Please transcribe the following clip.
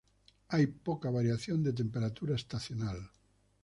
Hay poca variación de temperatura estacional.